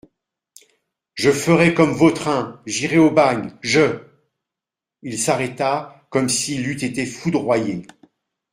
Je ferai comme Vautrin, j'irai au bagne ! je … Il s'arrêta comme s'il eût été foudroyé.